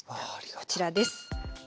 こちらです。